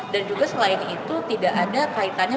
dan juga selain itu tidak ada kaitannya